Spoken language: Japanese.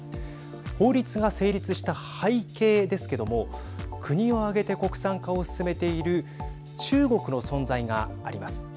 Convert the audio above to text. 法律が成立した背景ですけども国を挙げて国産化を進めている中国の存在があります。